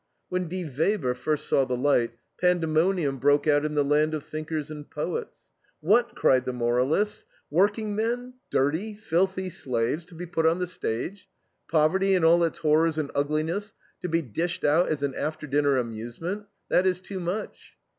When DIE WEBER first saw the light, pandemonium broke out in the land of thinkers and poets. "What," cried the moralists, "workingmen, dirty, filthy slaves, to be put on the stage! Poverty in all its horrors and ugliness to be dished out as an after dinner amusement? That is too much!"